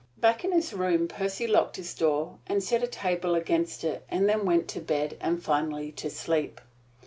Back in his room, Percy locked his door, and set a table against it, and then went to bed, and finally to sleep.